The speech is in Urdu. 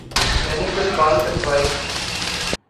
میں نے کل بال کٹوائے